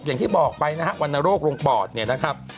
อย่างที่บอกไปนะฮะวรรณโรคลงปอดเนี่ยนะครับ